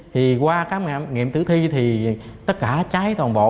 thì qua các nghiệm tử thi thì tất cả cháy toàn bộ